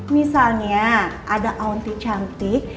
misalnya ada auntie cantik